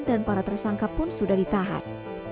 dan para tersangka pun sudah ditahan